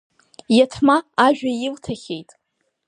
Иаҭма ажәа илҭахьеит.